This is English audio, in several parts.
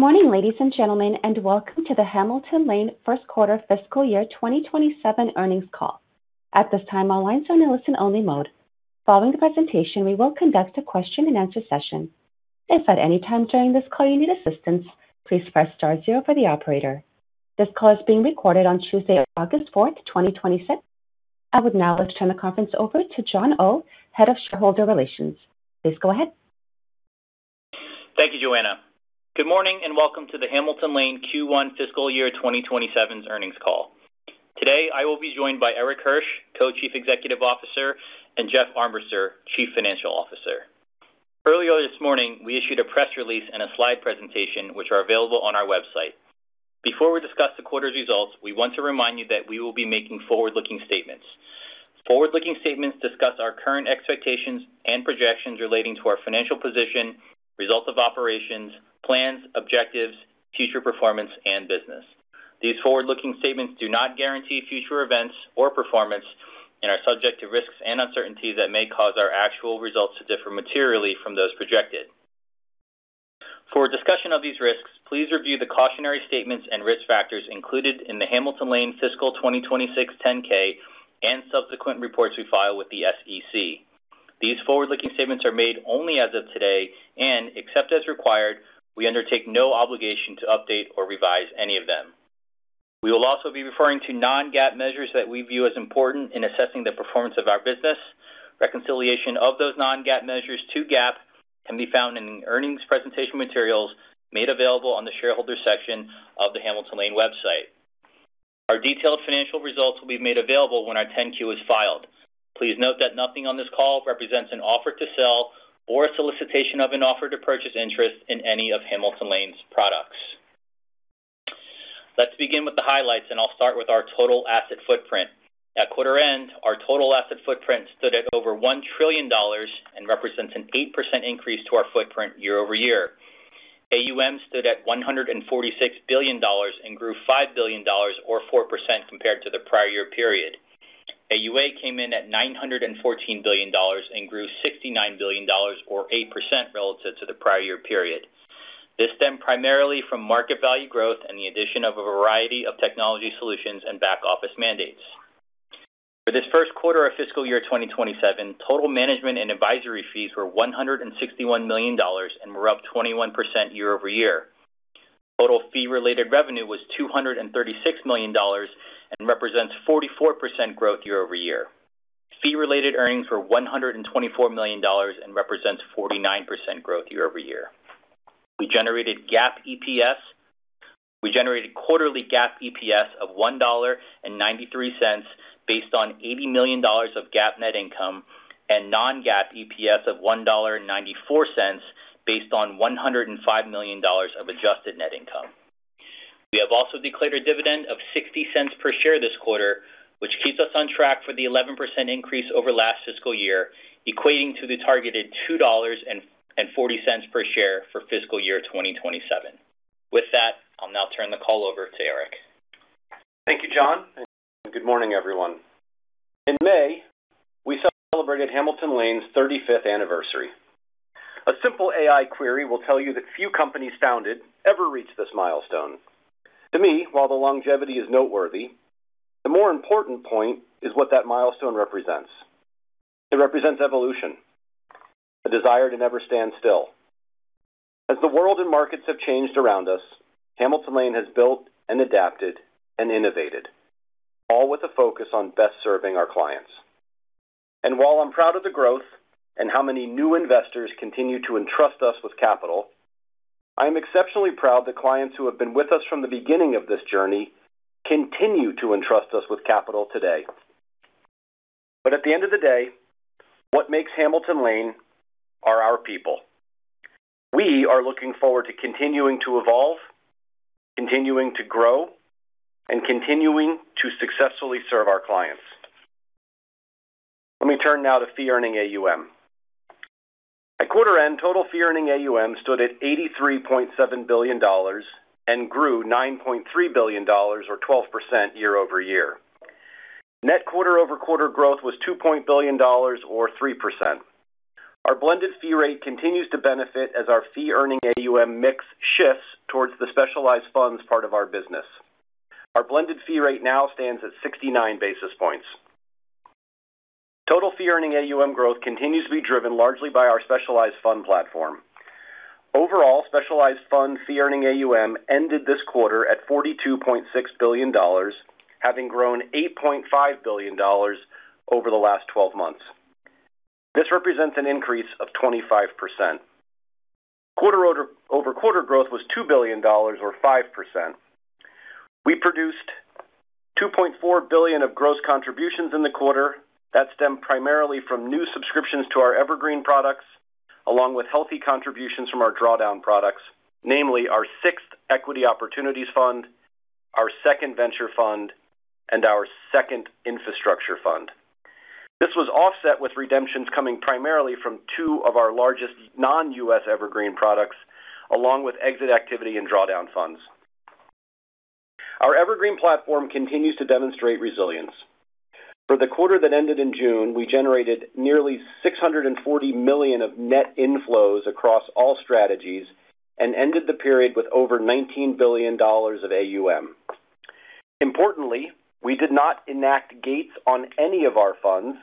Morning, ladies and gentlemen, and welcome to the Hamilton Lane first quarter fiscal year 2027 earnings call. At this time, all lines are on listen only mode. Following the presentation, we will conduct a question and answer session. If at any time during this call you need assistance, please press star zero for the operator. This call is being recorded on Tuesday, August 4th, 2026. I would now like to turn the conference over to John Oh, Head of Shareholder Relations. Please go ahead. Thank you, Joanna. Good morning and welcome to the Hamilton Lane Q1 fiscal year 2027 earnings call. Today, I will be joined by Erik Hirsch, Co-Chief Executive Officer, and Jeff Armbrister, Chief Financial Officer. Earlier this morning, we issued a press release and a slide presentation which are available on our website. Before we discuss the quarter's results, we want to remind you that we will be making forward-looking statements. Forward-looking statements discuss our current expectations and projections relating to our financial position, results of operations, plans, objectives, future performance, and business. These forward-looking statements do not guarantee future events or performance and are subject to risks and uncertainties that may cause our actual results to differ materially from those projected. For a discussion of these risks, please review the cautionary statements and risk factors included in the Hamilton Lane Fiscal 2026 10-K and subsequent reports we file with the SEC. These forward-looking statements are made only as of today. Except as required, we undertake no obligation to update or revise any of them. We will also be referring to non-GAAP measures that we view as important in assessing the performance of our business. Reconciliation of those non-GAAP measures to GAAP can be found in the earnings presentation materials made available on the shareholder section of the Hamilton Lane website. Our detailed financial results will be made available when our 10-Q is filed. Please note that nothing on this call represents an offer to sell or a solicitation of an offer to purchase interest in any of Hamilton Lane's products. Let's begin with the highlights. I'll start with our total asset footprint. At quarter end, our total asset footprint stood at over $1 trillion and represents an 8% increase to our footprint year-over-year. AUM stood at $146 billion and grew $5 billion or 4% compared to the prior year period. AUA came in at $914 billion and grew $69 billion or 8% relative to the prior year period. This stemmed primarily from market value growth and the addition of a variety of technology solutions and back office mandates. For this first quarter of fiscal year 2027, total management and advisory fees were $161 million and were up 21% year-over-year. Total fee related revenue was $236 million and represents 44% growth year-over-year. Fee related earnings were $124 million and represents 49% growth year-over-year. We generated quarterly GAAP EPS of $1.93 based on $80 million of GAAP net income and non-GAAP EPS of $1.94, based on $105 million of adjusted net income. We have also declared a dividend of $0.60 per share this quarter, which keeps us on track for the 11% increase over last fiscal year, equating to the targeted $2.40 per share for fiscal year 2027. With that, I'll now turn the call over to Erik. Thank you, John, and good morning, everyone. In May, we celebrated Hamilton Lane's 35th anniversary. A simple AI query will tell you that few companies founded ever reach this milestone. To me, while the longevity is noteworthy, the more important point is what that milestone represents. It represents evolution, a desire to never stand still. As the world and markets have changed around us, Hamilton Lane has built and adapted and innovated, all with a focus on best serving our clients. While I'm proud of the growth and how many new investors continue to entrust us with capital, I am exceptionally proud that clients who have been with us from the beginning of this journey continue to entrust us with capital today. At the end of the day, what makes Hamilton Lane are our people. We are looking forward to continuing to evolve, continuing to grow, and continuing to successfully serve our clients. Let me turn now to fee-earning AUM. At quarter end, total fee-earning AUM stood at $83.7 billion and grew $9.3 billion or 12% year-over-year. Net quarter-over-quarter growth was $2 billion or 3%. Our blended fee rate continues to benefit as our fee-earning AUM mix shifts towards the specialized funds part of our business. Our blended fee rate now stands at 69 basis points. Total fee-earning AUM growth continues to be driven largely by our specialized fund platform. Overall, specialized fund fee-earning AUM ended this quarter at $42.6 billion, having grown $8.5 billion over the last 12 months. This represents an increase of 25%. Quarter-over-quarter growth was $2 billion or 5%. We produced $2.4 billion of gross contributions in the quarter. That stemmed primarily from new subscriptions to our evergreen products, along with healthy contributions from our drawdown products, namely our sixth equity opportunities fund, our second venture fund, and our second infrastructure fund. This was offset with redemptions coming primarily from two of our largest non-U.S. evergreen products, along with exit activity and drawdown funds. Evergreen platform continues to demonstrate resilience. For the quarter that ended in June, we generated nearly $640 million of net inflows across all strategies and ended the period with over $19 billion of AUM. Importantly, we did not enact gates on any of our funds,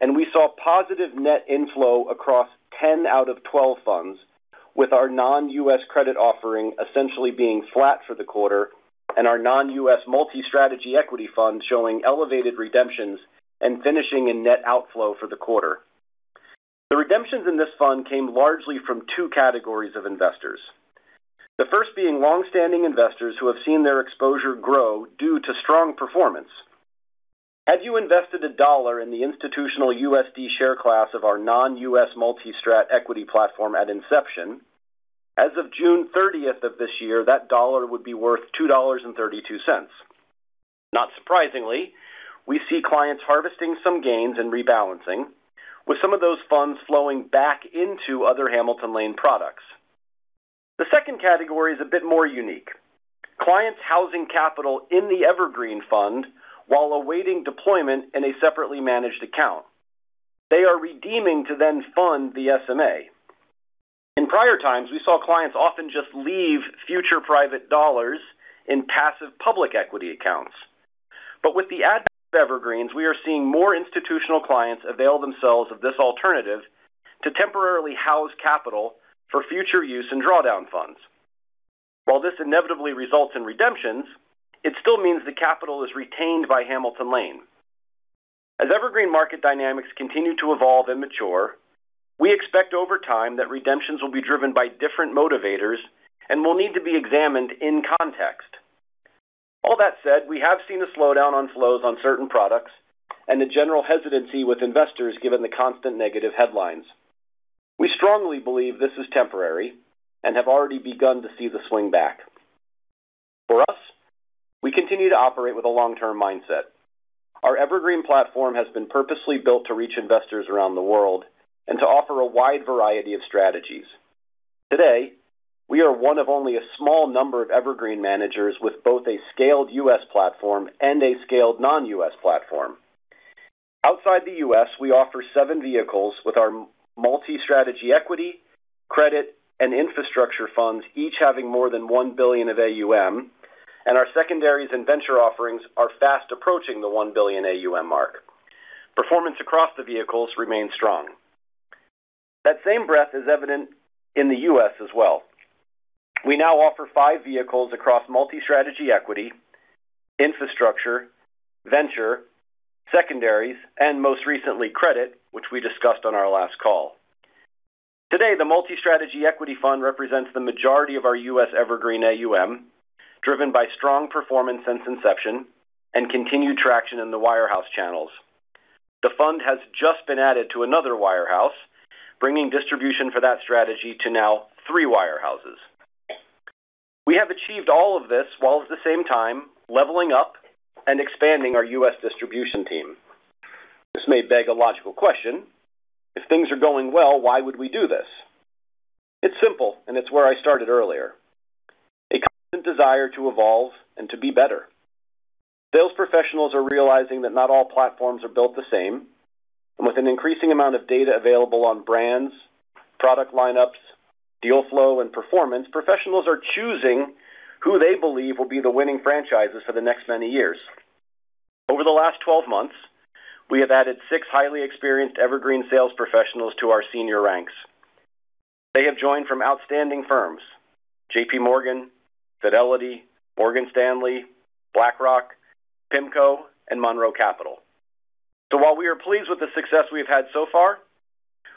and we saw positive net inflow across 10 out of 12 funds, with our non-U.S. credit offering essentially being flat for the quarter and our non-U.S. multi-strategy equity fund showing elevated redemptions and finishing in net outflow for the quarter. The redemptions in this fund came largely from two categories of investors. The first being longstanding investors who have seen their exposure grow due to strong performance. Had you invested $1 in the institutional USD share class of our non-U.S. multi-strat equity platform at inception, as of June 30th of this year, that dollar would be worth $2.32. Not surprisingly, we see clients harvesting some gains and rebalancing, with some of those funds flowing back into other Hamilton Lane products. The second category is a bit more unique. Clients housing capital in the Evergreen Fund while awaiting deployment in a separately managed account. They are redeeming to then fund the SMA. In prior times, we saw clients often just leave future private dollars in passive public equity accounts. With the advent of Evergreens, we are seeing more institutional clients avail themselves of this alternative to temporarily house capital for future use in drawdown funds. While this inevitably results in redemptions, it still means the capital is retained by Hamilton Lane. As Evergreen market dynamics continue to evolve and mature, we expect over time that redemptions will be driven by different motivators and will need to be examined in context. All that said, we have seen a slowdown on flows on certain products and a general hesitancy with investors given the constant negative headlines. We strongly believe this is temporary and have already begun to see the swing back. For us, we continue to operate with a long-term mindset. Our Evergreen platform has been purposely built to reach investors around the world and to offer a wide variety of strategies. Today, we are one of only a small number of Evergreen managers with both a scaled U.S. platform and a scaled non-U.S. platform. Outside the U.S., we offer seven vehicles with our multi-strategy equity, credit, and infrastructure funds, each having more than $1 billion of AUM, and our secondaries and venture offerings are fast approaching the $1 billion AUM mark. Performance across the vehicles remains strong. That same breadth is evident in the U.S. as well. We now offer five vehicles across multi-strategy equity, infrastructure, venture, secondaries, and most recently, credit, which we discussed on our last call. Today, the multi-strategy equity fund represents the majority of our U.S. Evergreen AUM, driven by strong performance since inception and continued traction in the wire house channels. The fund has just been added to another wire house, bringing distribution for that strategy to now three wire houses. We have achieved all of this while at the same time leveling up and expanding our U.S. distribution team. This may beg a logical question. If things are going well, why would we do this? It's simple, and it's where I started earlier. A constant desire to evolve and to be better. Sales professionals are realizing that not all platforms are built the same. With an increasing amount of data available on brands, product lineups, deal flow, and performance, professionals are choosing who they believe will be the winning franchises for the next many years. Over the last 12 months, we have added six highly experienced Evergreen sales professionals to our senior ranks. They have joined from outstanding firms, JPMorgan, Fidelity, Morgan Stanley, BlackRock, PIMCO, and Monroe Capital. While we are pleased with the success we've had so far,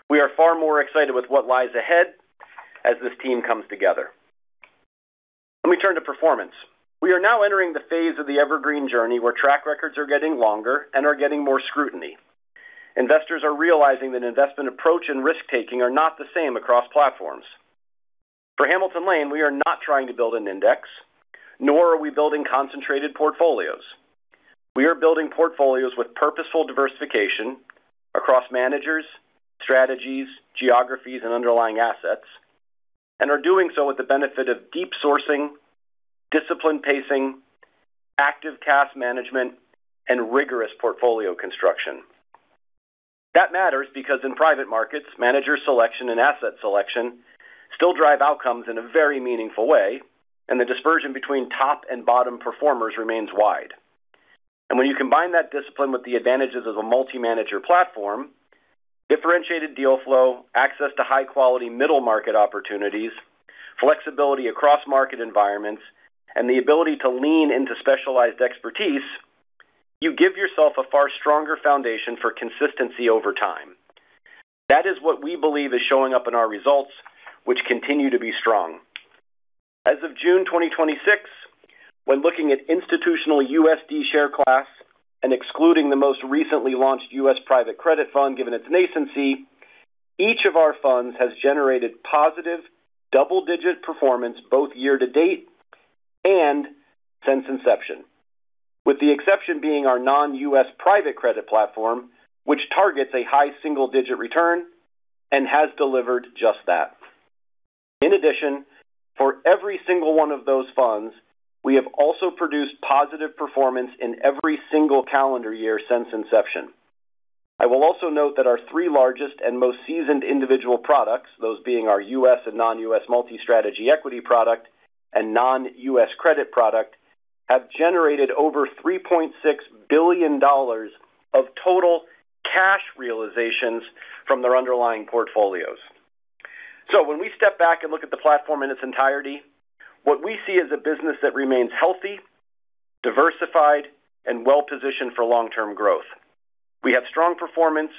we are far more excited with what lies ahead as this team comes together. Let me turn to performance. We are now entering the phase of the Evergreen journey where track records are getting longer and are getting more scrutiny. Investors are realizing that investment approach and risk-taking are not the same across platforms. For Hamilton Lane, we are not trying to build an index, nor are we building concentrated portfolios. We are building portfolios with purposeful diversification across managers, strategies, geographies, and underlying assets, and are doing so with the benefit of deep sourcing, disciplined pacing, active task management, and rigorous portfolio construction. That matters because in private markets, manager selection and asset selection still drive outcomes in a very meaningful way, and the dispersion between top and bottom performers remains wide. When you combine that discipline with the advantages of a multi-manager platform, differentiated deal flow, access to high-quality middle-market opportunities, flexibility across market environments, and the ability to lean into specialized expertise, you give yourself a far stronger foundation for consistency over time. That is what we believe is showing up in our results, which continue to be strong. As of June 2026, when looking at institutional USD share class and excluding the most recently launched U.S. private credit fund given its nascency, each of our funds has generated positive double-digit performance both year-to-date and since inception. With the exception being our non-U.S. private credit platform, which targets a high single-digit return and has delivered just that. In addition, for every single one of those funds, we have also produced positive performance in every single calendar year since inception. I will also note that our three largest and most seasoned individual products, those being our U.S. and non-U.S. multi-strategy equity product and non-U.S. credit product, have generated over $3.6 billion of total cash realizations from their underlying portfolios. When we step back and look at the platform in its entirety, what we see is a business that remains healthy, diversified, and well-positioned for long-term growth. We have strong performance,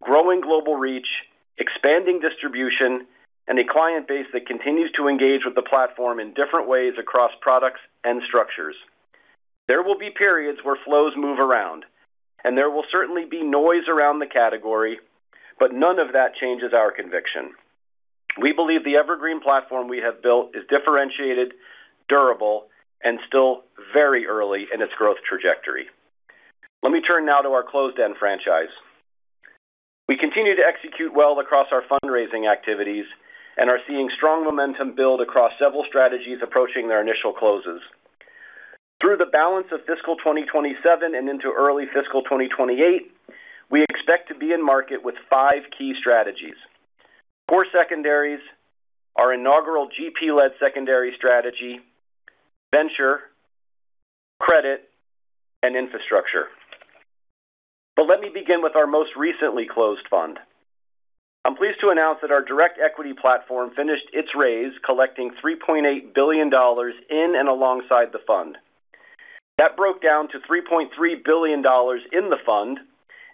growing global reach, expanding distribution, and a client base that continues to engage with the platform in different ways across products and structures. There will be periods where flows move around, and there will certainly be noise around the category, but none of that changes our conviction. We believe the evergreen platform we have built is differentiated, durable, and still very early in its growth trajectory. Let me turn now to our closed-end franchise. We continue to execute well across our fundraising activities and are seeing strong momentum build across several strategies approaching their initial closes. Through the balance of fiscal 2027 and into early fiscal 2028, we expect to be in market with five key strategies. Core secondaries, our inaugural GP-led secondary strategy, venture, credit, and infrastructure. Let me begin with our most recently closed fund. I'm pleased to announce that our direct equity platform finished its raise, collecting $3.8 billion in and alongside the fund. That broke down to $3.3 billion in the fund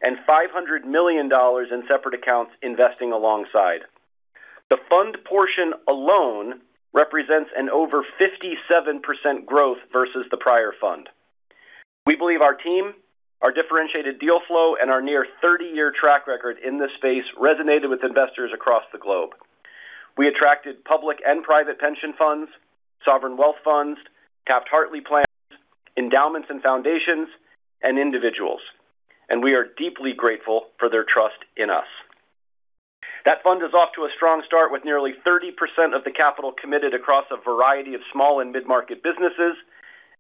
and $500 million in separate accounts investing alongside. The fund portion alone represents an over 57% growth versus the prior fund. We believe our team, our differentiated deal flow, and our near 30-year track record in this space resonated with investors across the globe. We attracted public and private pension funds, sovereign wealth funds, Taft-Hartley plans, endowments and foundations, and individuals. We are deeply grateful for their trust in us. That fund is off to a strong start with nearly 30% of the capital committed across a variety of small and mid-market businesses.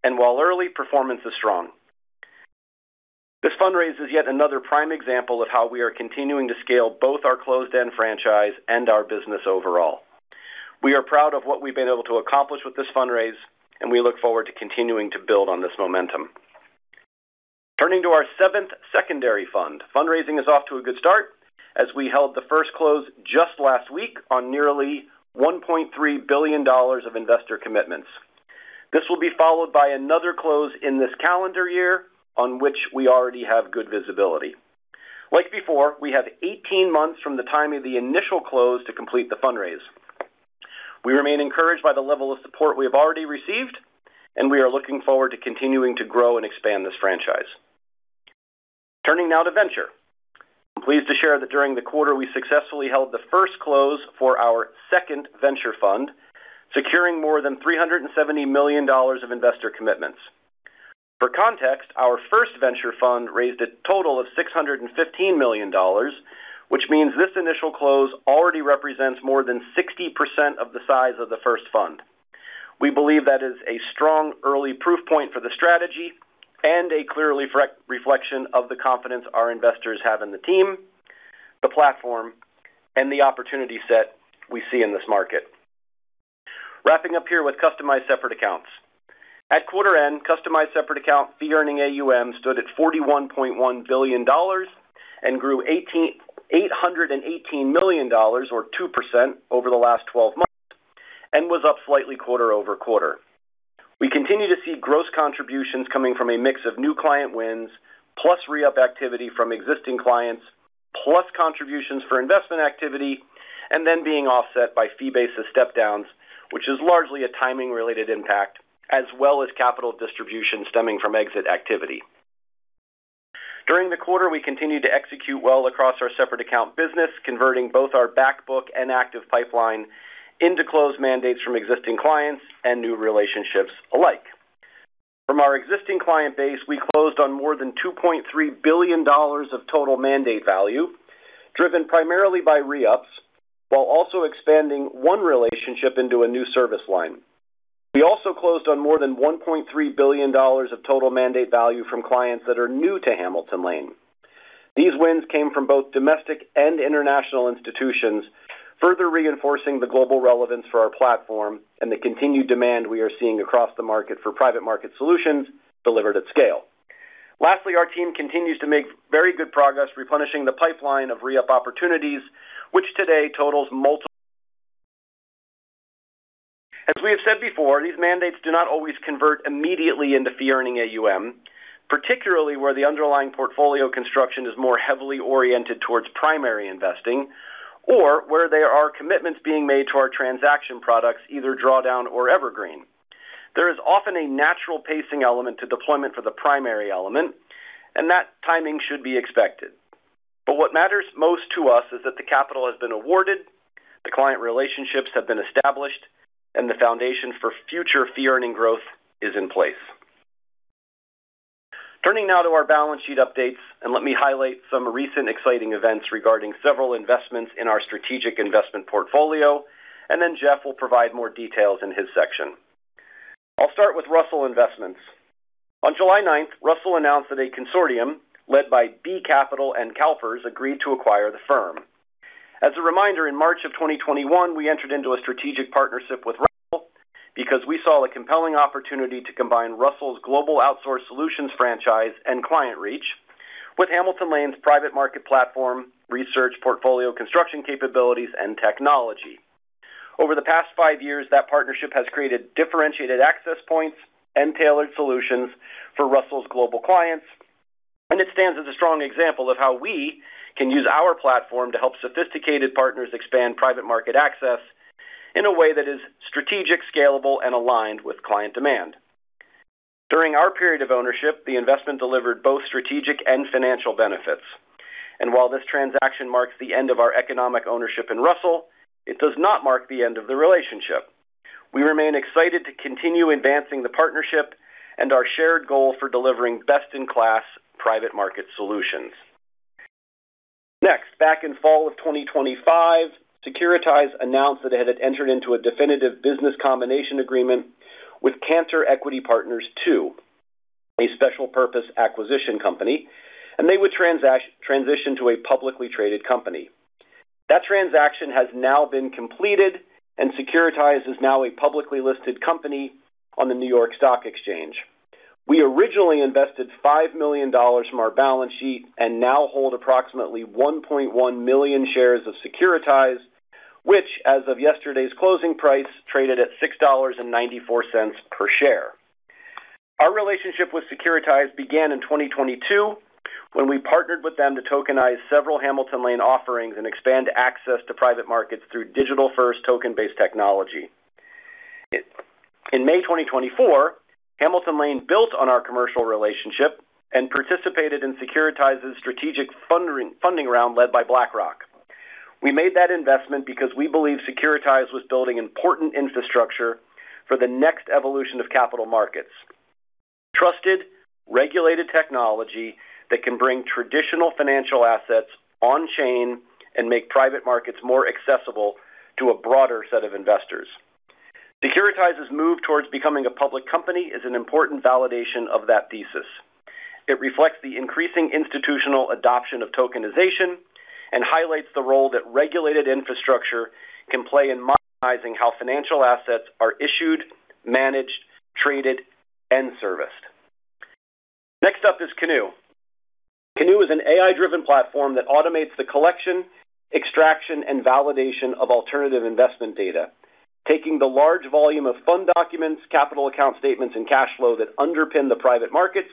While early performance is strong. This fundraise is yet another prime example of how we are continuing to scale both our closed-end franchise and our business overall. We are proud of what we've been able to accomplish with this fundraise. We look forward to continuing to build on this momentum. Turning to our seventh secondary fund. Fundraising is off to a good start as we held the first close just last week on nearly $1.3 billion of investor commitments. This will be followed by another close in this calendar year on which we already have good visibility. Like before, we have 18 months from the time of the initial close to complete the fundraise. We remain encouraged by the level of support we have already received. We are looking forward to continuing to grow and expand this franchise. Turning now to Venture. I'm pleased to share that during the quarter, we successfully held the first close for our second venture fund, securing more than $370 million of investor commitments. For context, our first venture fund raised a total of $615 million, which means this initial close already represents more than 60% of the size of the first fund. We believe that is a strong early proof point for the strategy and a clear reflection of the confidence our investors have in the team, the platform, and the opportunity set we see in this market. Wrapping up here with customized separate accounts. At quarter end, customized separate account fee-earning AUM stood at $41.1 billion and grew $818 million, or 2%, over the last 12 months, and was up slightly quarter-over-quarter. We continue to see gross contributions coming from a mix of new client wins, plus re-up activity from existing clients, plus contributions for investment activity, and then being offset by fee-based step downs, which is largely a timing-related impact, as well as capital distribution stemming from exit activity. During the quarter, we continued to execute well across our separate account business, converting both our back book and active pipeline into closed mandates from existing clients and new relationships alike. From our existing client base, we closed on more than $2.3 billion of total mandate value, driven primarily by re-ups, while also expanding one relationship into a new service line. We also closed on more than $1.3 billion of total mandate value from clients that are new to Hamilton Lane. These wins came from both domestic and international institutions, further reinforcing the global relevance for our platform and the continued demand we are seeing across the market for private market solutions delivered at scale. Lastly, our team continues to make very good progress replenishing the pipeline of re-up opportunities, which today totals multiple. As we have said before, these mandates do not always convert immediately into fee-earning AUM, particularly where the underlying portfolio construction is more heavily oriented towards primary investing or where there are commitments being made to our transaction products, either drawdown or evergreen. There is often a natural pacing element to deployment for the primary element. That timing should be expected. What matters most to us is that the capital has been awarded, the client relationships have been established, and the foundation for future fee-earning growth is in place. Turning now to our balance sheet updates, let me highlight some recent exciting events regarding several investments in our strategic investment portfolio, and then Jeff will provide more details in his section. I'll start with Russell Investments. On July 9th, Russell announced that a consortium led by B Capital and CalPERS agreed to acquire the firm. As a reminder, in March of 2021, we entered into a strategic partnership with Russell because we saw a compelling opportunity to combine Russell's global outsourced solutions franchise and client reach with Hamilton Lane's private market platform, research, portfolio construction capabilities, and technology. Over the past five years, that partnership has created differentiated access points and tailored solutions for Russell's global clients, and it stands as a strong example of how we can use our platform to help sophisticated partners expand private market access in a way that is strategic, scalable, and aligned with client demand. During our period of ownership, the investment delivered both strategic and financial benefits. While this transaction marks the end of our economic ownership in Russell, it does not mark the end of the relationship. We remain excited to continue advancing the partnership and our shared goal for delivering best-in-class private market solutions. Next, back in fall of 2025, Securitize announced that it had entered into a definitive business combination agreement with Cantor Equity Partners II, a special purpose acquisition company, and they would transition to a publicly traded company. That transaction has now been completed, Securitize is now a publicly listed company on the New York Stock Exchange. We originally invested $5 million from our balance sheet and now hold approximately 1.1 million shares of Securitize, which, as of yesterday's closing price, traded at $6.94 per share. Our relationship with Securitize began in 2022, when we partnered with them to tokenize several Hamilton Lane offerings and expand access to private markets through digital-first token-based technology. In May 2024, Hamilton Lane built on our commercial relationship and participated in Securitize's strategic funding round led by BlackRock. We made that investment because we believe Securitize was building important infrastructure for the next evolution of capital markets. Trusted, regulated technology that can bring traditional financial assets on chain and make private markets more accessible to a broader set of investors. Securitize's move towards becoming a public company is an important validation of that thesis. It reflects the increasing institutional adoption of tokenization and highlights the role that regulated infrastructure can play in modernizing how financial assets are issued, managed, traded, and serviced. Next up is Canoe. Canoe is an AI-driven platform that automates the collection, extraction, and validation of alternative investment data, taking the large volume of fund documents, capital account statements, and cash flow that underpin the private markets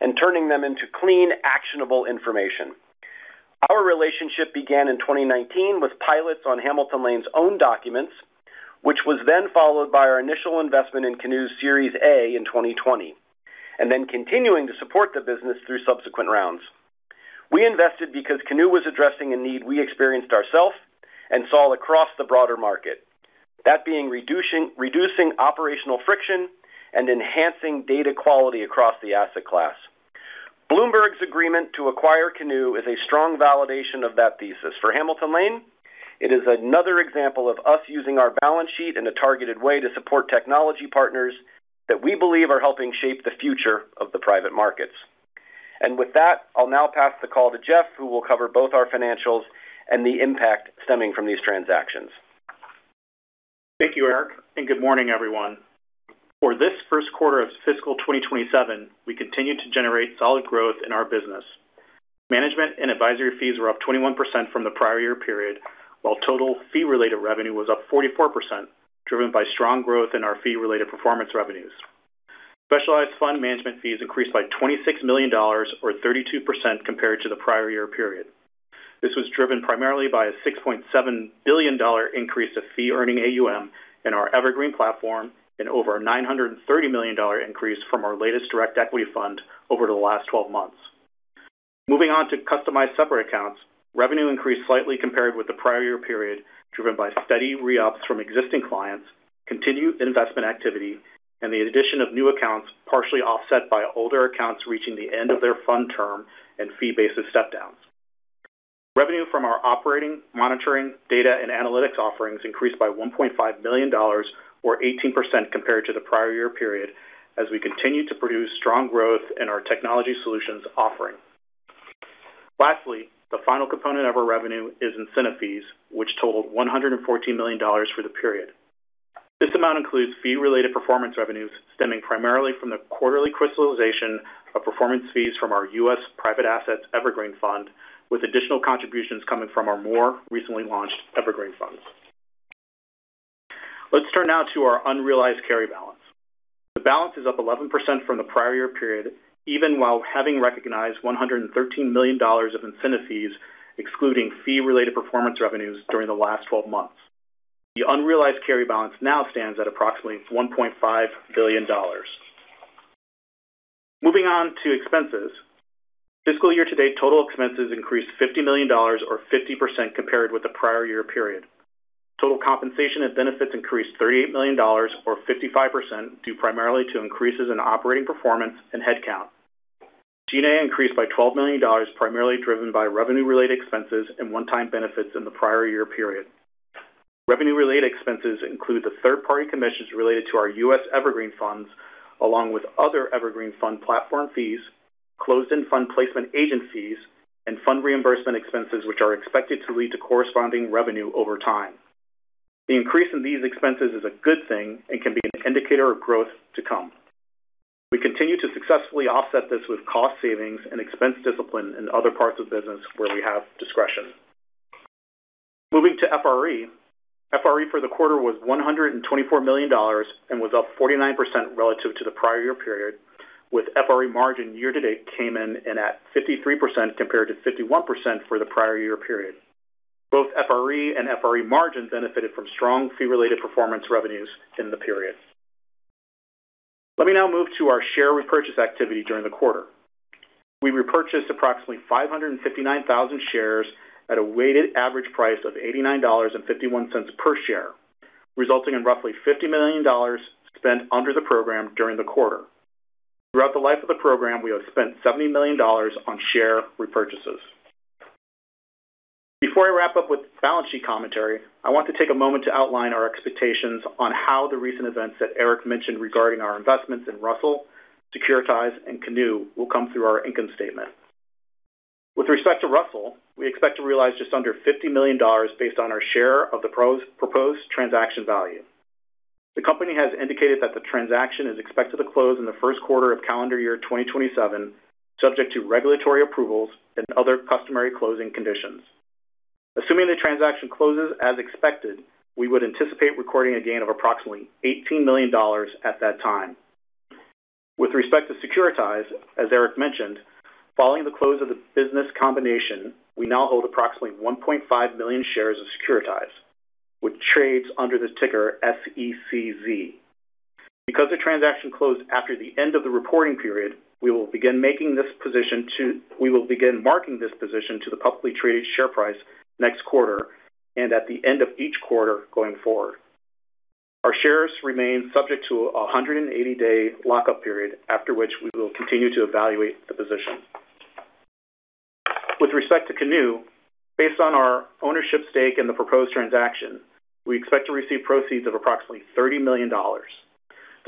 and turning them into clean, actionable information. Our relationship began in 2019 with pilots on Hamilton Lane's own documents, which was then followed by our initial investment in Canoe's Series A in 2020, and then continuing to support the business through subsequent rounds. We invested because Canoe was addressing a need we experienced ourselves and saw across the broader market, that being reducing operational friction and enhancing data quality across the asset class. Bloomberg's agreement to acquire Canoe is a strong validation of that thesis. For Hamilton Lane, it is another example of us using our balance sheet in a targeted way to support technology partners that we believe are helping shape the future of the private markets. With that, I'll now pass the call to Jeff, who will cover both our financials and the impact stemming from these transactions. Thank you, Erik. Good morning, everyone. For this first quarter of fiscal 2027, we continued to generate solid growth in our business. Management and advisory fees were up 21% from the prior year period, while total fee-related revenue was up 44%, driven by strong growth in our fee-related performance revenues. Specialized fund management fees increased by $26 million or 32% compared to the prior year period. This was driven primarily by a $6.7 billion increase of fee-earning AUM in our Evergreen platform and over a $930 million increase from our latest direct equity fund over the last 12 months. Movin on to customized separate accounts, revenue increased slightly compared with the prior year period, driven by steady re-ups from existing clients, continued investment activity, and the addition of new accounts partially offset by older accounts reaching the end of their fund term and fee basis step-downs. Revenue from our operating, monitoring, data, and analytics offerings increased by $1.5 million or 18% compared to the prior year period, as we continued to produce strong growth in our technology solutions offering. Lastly, the final component of our revenue is incentive fees, which totaled $114 million for the period. This amount includes fee-related performance revenues stemming primarily from the quarterly crystallization of performance fees from our U.S. Private Assets Evergreen Fund, with additional contributions coming from our more recently launched Evergreen Fund. Let's turn now to our unrealized carry balance. The balance is up 11% from the prior year period, even while having recognized $113 million of incentive fees, excluding fee-related performance revenues during the last 12 months. The unrealized carry balance now stands at approximately $1.5 billion. Moving on to expenses, fiscal year-to-date total expenses increased $50 million or 50% compared with the prior year period. Total compensation and benefits increased $38 million or 55%, due primarily to increases in operating performance and headcount. G&A increased by $12 million, primarily driven by revenue-related expenses and one-time benefits in the prior year period. Revenue-related expenses include the third-party commissions related to our U.S. Evergreen Funds, along with other Evergreen Fund platform fees, closed-end fund placement agent fees, and fund reimbursement expenses, which are expected to lead to corresponding revenue over time. The increase in these expenses is a good thing and can be an indicator of growth to come. We continue to successfully offset this with cost savings and expense discipline in other parts of business where we have discretion. Moving to FRE. FRE for the quarter was $124 million and was up 49% relative to the prior year period, with FRE margin year-to-date came in at 53% compared to 51% for the prior year period. Both FRE and FRE margins benefited from strong fee-related performance revenues in the period. Let me now move to our share repurchase activity during the quarter. We repurchased approximately 559,000 shares at a weighted average price of $89.51 per share, resulting in roughly $50 million spent under the program during the quarter. Throughout the life of the program, we have spent $70 million on share repurchases. Before I wrap up with balance sheet commentary, I want to take a moment to outline our expectations on how the recent events that Erik mentioned regarding our investments in Russell, Securitize, and Canoe will come through our income statement. With respect to Russell, we expect to realize just under $50 million based on our share of the proposed transaction value. The company has indicated that the transaction is expected to close in the first quarter of calendar year 2027, subject to regulatory approvals and other customary closing conditions. Assuming the transaction closes as expected, we would anticipate recording a gain of approximately $18 million at that time. With respect to Securitize, as Erik mentioned, following the close of the business combination, we now hold approximately 1.5 million shares of Securitize with trades under the ticker SECZ. Because the transaction closed after the end of the reporting period, we will begin marking this position to the publicly traded share price next quarter and at the end of each quarter going forward. Our shares remain subject to a 180-day lock-up period, after which we will continue to evaluate the position. With respect to Canoe, based on our ownership stake in the proposed transaction, we expect to receive proceeds of approximately $30 million.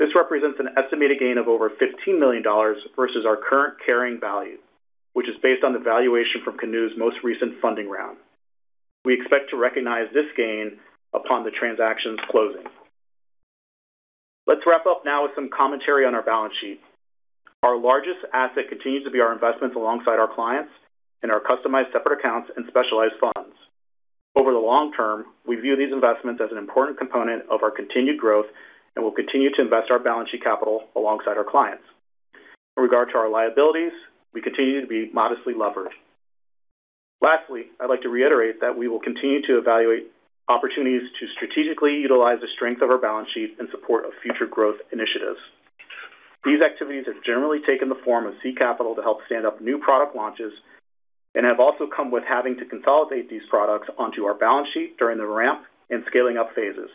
This represents an estimated gain of over $15 million versus our current carrying value, which is based on the valuation from Canoe's most recent funding round. We expect to recognize this gain upon the transaction's closing. Let's wrap up now with some commentary on our balance sheet. Our largest asset continues to be our investments alongside our clients and our customized separate accounts and specialized funds. Over the long term, we view these investments as an important component of our continued growth and will continue to invest our balance sheet capital alongside our clients. In regard to our liabilities, we continue to be modestly levered. Lastly, I'd like to reiterate that we will continue to evaluate opportunities to strategically utilize the strength of our balance sheet in support of future growth initiatives. These activities have generally taken the form of seed capital to help stand up new product launches and have also come with having to consolidate these products onto our balance sheet during the ramp and scaling-up phases.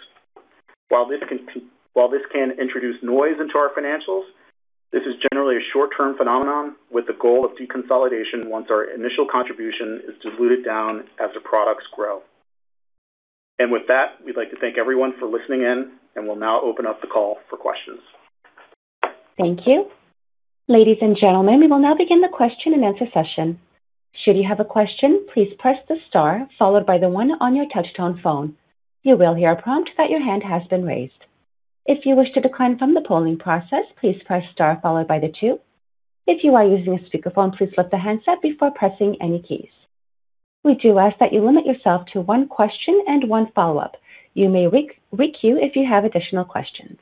While this can introduce noise into our financials, this is generally a short-term phenomenon with the goal of deconsolidation once our initial contribution is diluted down as the products grow. With that, we'd like to thank everyone for listening in, and we'll now open up the call for questions. Thank you. Ladies and gentlemen, we will now begin the question and answer session. Should you have a question, please press the star followed by the one on your touch-tone phone. You will hear a prompt that your hand has been raised. If you wish to decline from the polling process, please press star followed by the two. If you are using a speakerphone, please lift the handset before pressing any keys. We do ask that you limit yourself to one question and one follow-up. You may re-queue if you have additional questions.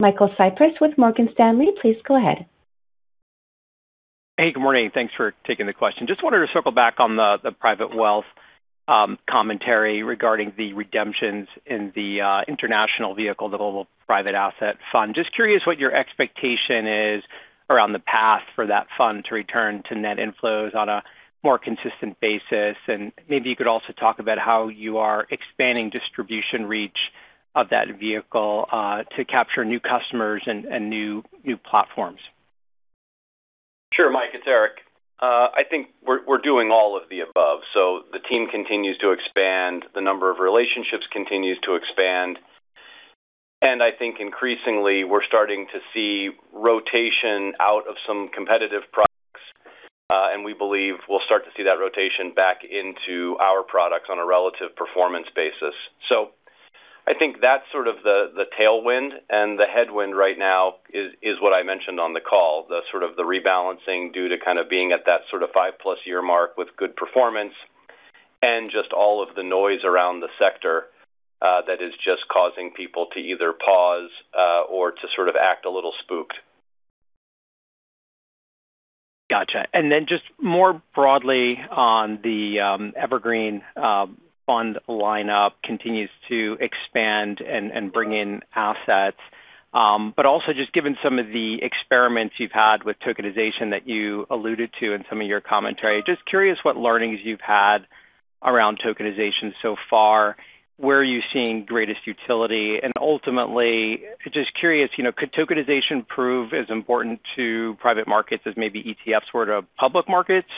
Michael Cyprys with Morgan Stanley, please go ahead. Hey, good morning. Thanks for taking the question. Just wanted to circle back on the private wealth commentary regarding the redemptions in the international vehicle, the Global Private Assets Fund. Just curious what your expectation is around the path for that fund to return to net inflows on a more consistent basis, and maybe you could also talk about how you are expanding distribution reach of that vehicle to capture new customers and new platforms. Sure, Michael, it's Erik. I think we're doing all of the above. The team continues to expand, the number of relationships continues to expand. I think increasingly we're starting to see rotation out of some competitive products. We believe we'll start to see that rotation back into our products on a relative performance basis. I think that's sort of the tailwind, and the headwind right now is what I mentioned on the call, the sort of the rebalancing due to kind of being at that sort of five-plus year mark with good performance and just all of the noise around the sector that is just causing people to either pause or to sort of act a little spooked. Got you. Just more broadly on the Evergreen Fund lineup continues to expand and bring in assets. Also just given some of the experiments you've had with tokenization that you alluded to in some of your commentary, just curious what learnings you've had around tokenization so far. Where are you seeing greatest utility? Ultimately, just curious, could tokenization prove as important to private markets as maybe ETFs were to public markets?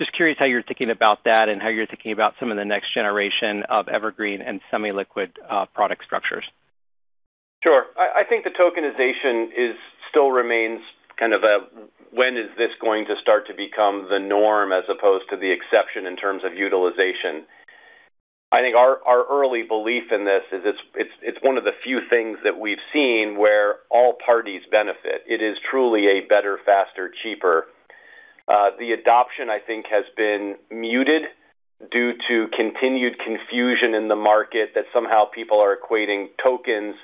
Just curious how you're thinking about that and how you're thinking about some of the next generation of Evergreen and semi-liquid product structures. Sure. I think the tokenization still remains kind of a, when is this going to start to become the norm as opposed to the exception in terms of utilization? I think our early belief in this is it's one of the few things that we've seen where all parties benefit. It is truly a better, faster, cheaper. The adoption, I think, has been muted due to continued confusion in the market that somehow people are equating tokens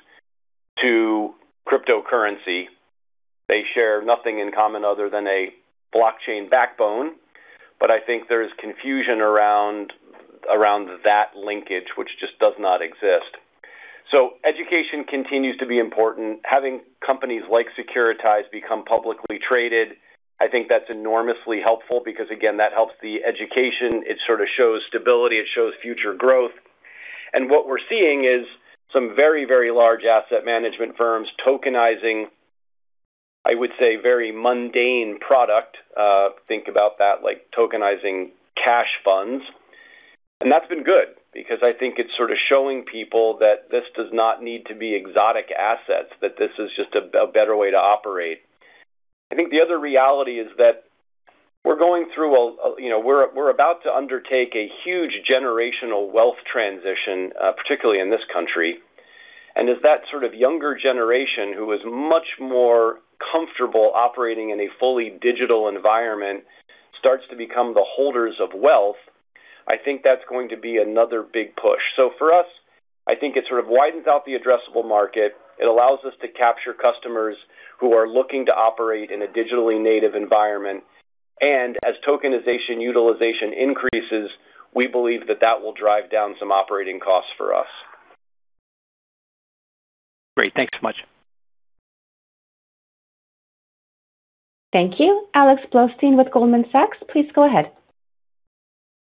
to cryptocurrency. They share nothing in common other than a blockchain backbone. I think there's confusion around that linkage, which just does not exist. Education continues to be important. Having companies like Securitize become publicly traded, I think that's enormously helpful because, again, that helps the education. It sort of shows stability. It shows future growth. What we're seeing is some very, very large asset management firms tokenizing, I would say, very mundane product. Think about that, like tokenizing cash funds. That's been good because I think it's sort of showing people that this does not need to be exotic assets, that this is just a better way to operate. I think the other reality is that we're about to undertake a huge generational wealth transition, particularly in this country. As that sort of younger generation who is much more comfortable operating in a fully digital environment starts to become the holders of wealth, I think that's going to be another big push. For us, I think it sort of widens out the addressable market. It allows us to capture customers who are looking to operate in a digitally native environment. As tokenization utilization increases, we believe that that will drive down some operating costs for us. Great. Thanks so much. Thank you. Alex Blostein with Goldman Sachs, please go ahead.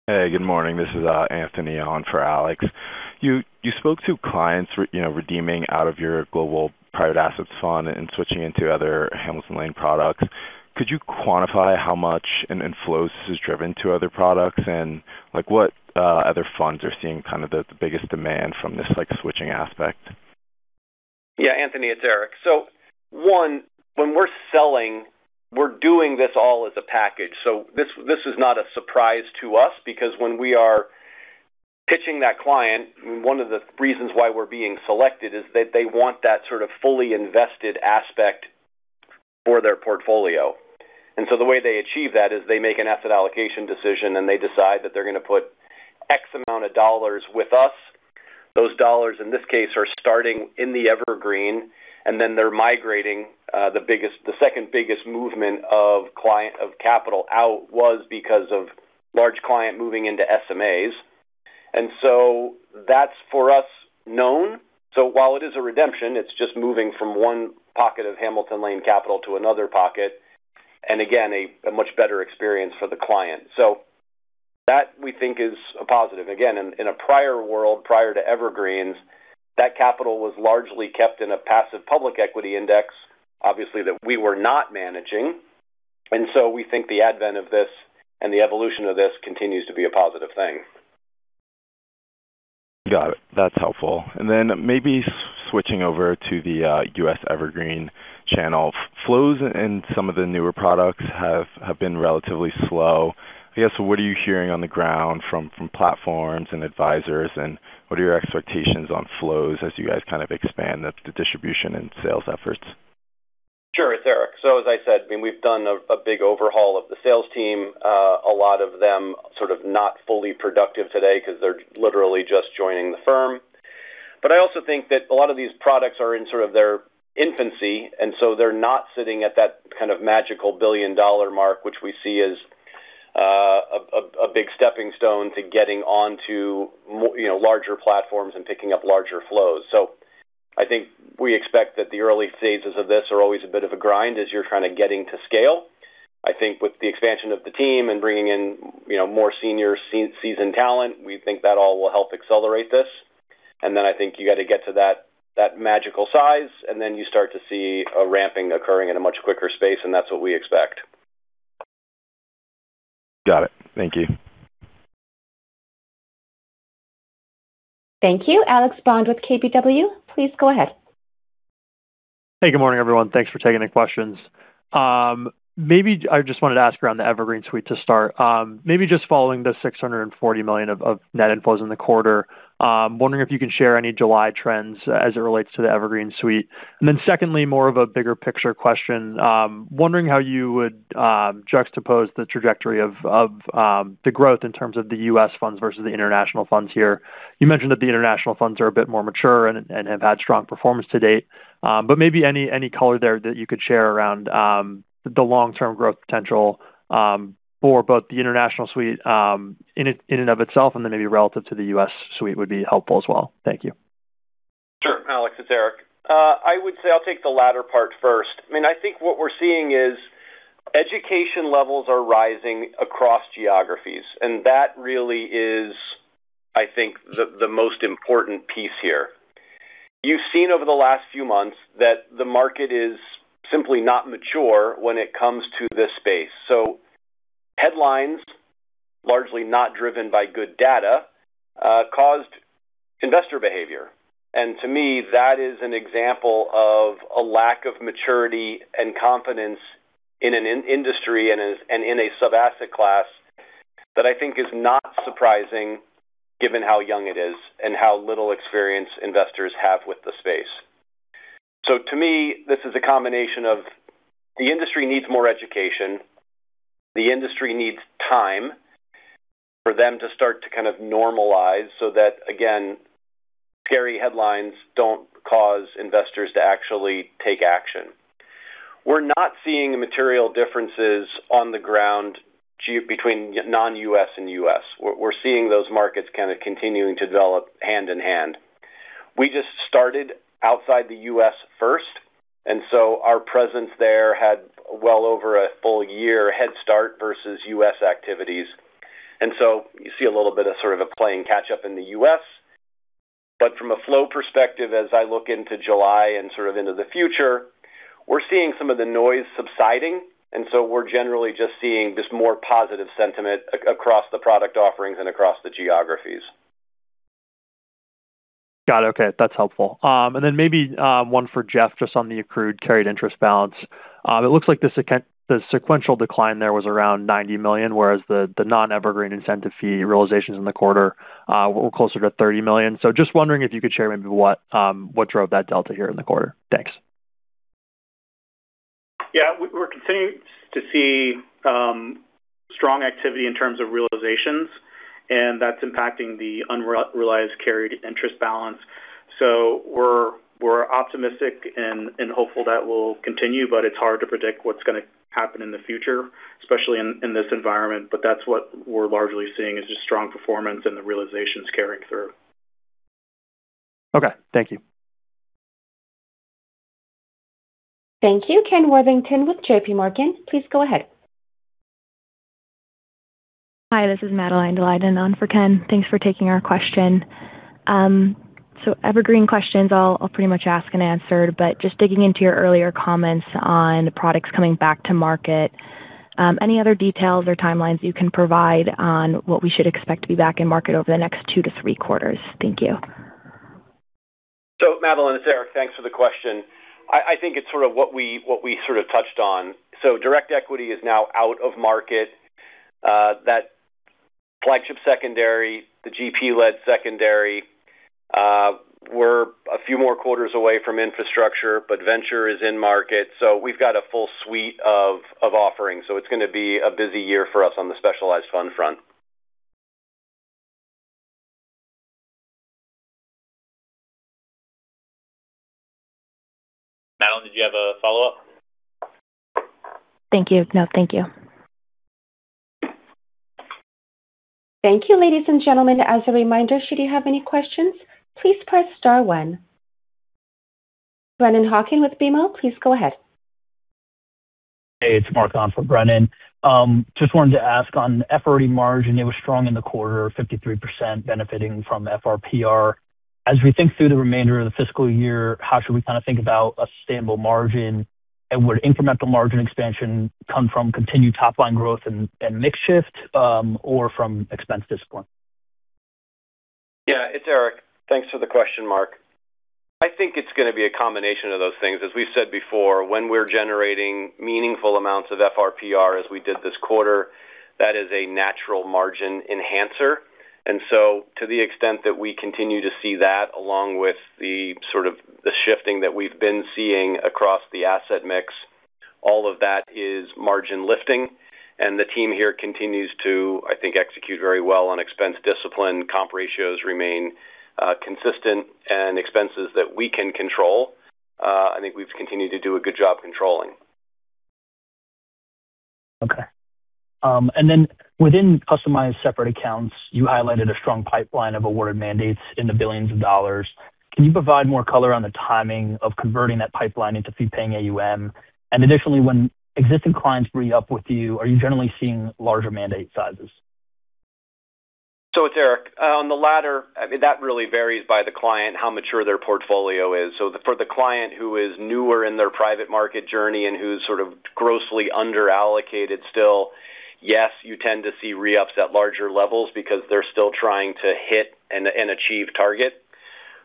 Hey, good morning. This is Anthony on for Alex. You spoke to clients redeeming out of your Global Private Assets Fund and switching into other Hamilton Lane products. Could you quantify how much an inflows is driven to other products? What other funds are seeing the biggest demand from this switching aspect? Anthony, it's Erik. One, when we're selling, we're doing this all as a package. This is not a surprise to us because when we are pitching that client, one of the reasons why we're being selected is that they want that sort of fully invested aspect for their portfolio. The way they achieve that is they make an asset allocation decision, and they decide that they're going to put X amount of dollars with us. Those dollars, in this case, are starting in the Evergreen, and then they're migrating. The second biggest movement of capital out was because of large client moving into SMAs. That's, for us, known. While it is a redemption, it's just moving from one pocket of Hamilton Lane capital to another pocket, and again, a much better experience for the client. That, we think, is a positive. In a prior world, prior to Evergreens, that capital was largely kept in a passive public equity index, obviously, that we were not managing. We think the advent of this and the evolution of this continues to be a positive thing. Got it. That's helpful. Maybe switching over to the U.S. Evergreen channel. Flows in some of the newer products have been relatively slow. I guess, what are you hearing on the ground from platforms and advisors, and what are your expectations on flows as you guys kind of expand the distribution and sales efforts? Sure. It's Erik. As I said, we've done a big overhaul of the sales team. A lot of them sort of not fully productive today because they're literally just joining the firm. I also think that a lot of these products are in sort of their infancy, and so they're not sitting at that kind of magical billion-dollar mark, which we see as a big stepping stone to getting onto larger platforms and picking up larger flows. I think we expect that the early phases of this are always a bit of a grind as you're kind of getting to scale. I think with the expansion of the team and bringing in more senior seasoned talent, we think that all will help accelerate this. I think you got to get to that magical size, and then you start to see a ramping occurring in a much quicker space, and that's what we expect. Got it. Thank you. Thank you. Alex Bond with KBW. Please go ahead. Hey, good morning, everyone. Thanks for taking the questions. I just wanted to ask around the Evergreen Suite to start. Maybe just following the $640 million of net inflows in the quarter. I'm wondering if you can share any July trends as it relates to the Evergreen Suite. Secondly, more of a bigger picture question. I'm wondering how you would juxtapose the trajectory of the growth in terms of the U.S. funds versus the international funds here. You mentioned that the international funds are a bit more mature and have had strong performance to date. Maybe any color there that you could share around the long-term growth potential for both the International Suite in and of itself, and then maybe relative to the U.S. Suite would be helpful as well. Thank you. Sure, Alex, it's Erik. I would say I'll take the latter part first. I think what we're seeing is education levels are rising across geographies, that really is, I think, the most important piece here. You've seen over the last few months that the market is simply not mature when it comes to this space. Headlines, largely not driven by good data, caused investor behavior. To me, that is an example of a lack of maturity and confidence in an industry and in a sub-asset class that I think is not surprising given how young it is and how little experience investors have with the space. To me, this is a combination of the industry needs more education, the industry needs time for them to start to kind of normalize so that, again, scary headlines don't cause investors to actually take action. We're not seeing material differences on the ground between non-U.S. and U.S. We're seeing those markets kind of continuing to develop hand in hand. We just started outside the U.S. first, our presence there had well over a full year head start versus U.S. activities. You see a little bit of sort of a playing catch up in the U.S. From a flow perspective, as I look into July and sort of into the future, we're seeing some of the noise subsiding, we're generally just seeing just more positive sentiment across the product offerings and across the geographies. Got it. Okay. That's helpful. Maybe one for Jeff just on the accrued carried interest balance. It looks like the sequential decline there was around $90 million, whereas the non-Evergreen incentive fee realizations in the quarter were closer to $30 million. Just wondering if you could share maybe what drove that delta here in the quarter. Thanks. Yeah. We're continuing to see strong activity in terms of realizations, that's impacting the unrealized carried interest balance. We're optimistic and hopeful that will continue, it's hard to predict what's going to happen in the future, especially in this environment. That's what we're largely seeing is just strong performance and the realizations carrying through. Okay. Thank you. Thank you. Ken Worthington with JPMorgan. Please go ahead. Hi, this is Madeline Delida on for Ken. Thanks for taking our question. Evergreen questions I'll pretty much ask and answered, but just digging into your earlier comments on products coming back to market. Any other details or timelines you can provide on what we should expect to be back in market over the next two to three quarters? Thank you. Madeline, it's Erik. Thanks for the question. I think it's sort of what we sort of touched on. Direct equity is now out of market. That flagship secondary, the GP-led secondary. We're a few more quarters away from infrastructure, venture is in market. We've got a full suite of offerings. It's going to be a busy year for us on the specialized fund front. Madeline, did you have a follow-up? Thank you. No. Thank you. Thank you, ladies and gentlemen. As a reminder, should you have any questions, please press star one. Brennan Hawken with BMO, please go ahead. Hey, it's Mark on for Brennan. Just wanted to ask on FRE margin, it was strong in the quarter, 53% benefiting from FRPR. As we think through the remainder of the fiscal year, how should we kind of think about a stable margin? Would incremental margin expansion come from continued top-line growth and mix shift, or from expense discipline? Yeah, it's Erik. Thanks for the question, Mark. I think it's going to be a combination of those things. As we've said before, when we're generating meaningful amounts of FRPR as we did this quarter, that is a natural margin enhancer. To the extent that we continue to see that, along with the sort of the shifting that we've been seeing across the asset mix, all of that is margin lifting. The team here continues to, I think, execute very well on expense discipline. Comp ratios remain consistent, and expenses that we can control, I think we've continued to do a good job controlling. Okay. Then within customized separate accounts, you highlighted a strong pipeline of awarded mandates in the billions of dollars. Can you provide more color on the timing of converting that pipeline into fee-paying AUM? Additionally, when existing clients re-up with you, are you generally seeing larger mandate sizes? It's Erik. On the latter, I mean, that really varies by the client, how mature their portfolio is. For the client who is newer in their private market journey and who's sort of grossly underallocated still, yes, you tend to see re-ups at larger levels because they're still trying to hit and achieve target.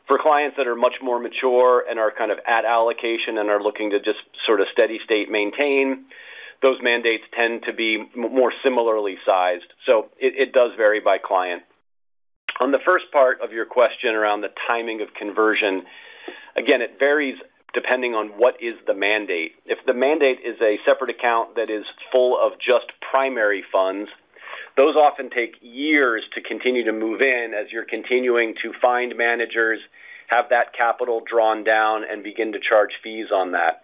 For clients that are much more mature and are kind of at allocation and are looking to just sort of steady state maintain, those mandates tend to be more similarly sized. It does vary by client. On the first part of your question around the timing of conversion, again, it varies depending on what is the mandate. If the mandate is a separate account that is full of just primary funds, those often take years to continue to move in as you're continuing to find managers, have that capital drawn down, and begin to charge fees on that.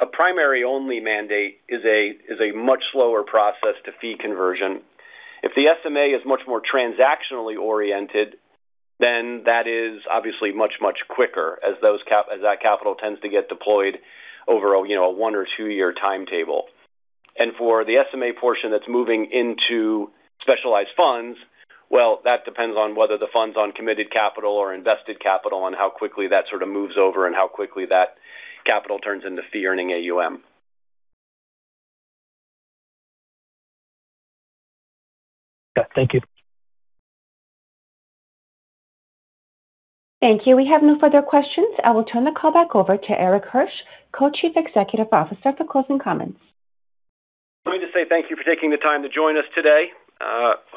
A primary only mandate is a much slower process to fee conversion. If the SMA is much more transactionally oriented, then that is obviously much, much quicker as that capital tends to get deployed over a one or two year timetable. For the SMA portion that's moving into specialized funds, well, that depends on whether the fund's on committed capital or invested capital, and how quickly that sort of moves over and how quickly that capital turns into fee-earning AUM. Yeah. Thank you. Thank you. We have no further questions. I will turn the call back over to Erik Hirsch, Co-Chief Executive Officer, for closing comments. Let me just say thank you for taking the time to join us today.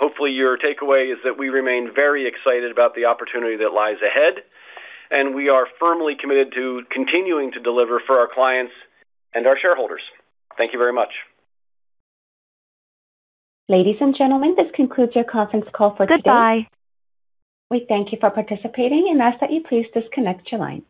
Hopefully, your takeaway is that we remain very excited about the opportunity that lies ahead, and we are firmly committed to continuing to deliver for our clients and our shareholders. Thank you very much. Ladies and gentlemen, this concludes your conference call for today. Goodbye. We thank you for participating and ask that you please disconnect your lines.